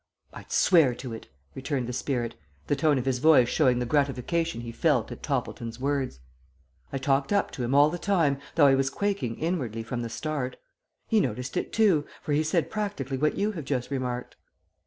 "I'd swear to it," returned the spirit, the tone of his voice showing the gratification he felt at Toppleton's words. "I talked up to him all the time, though I was quaking inwardly from the start. He noticed it too, for he said practically what you have just remarked.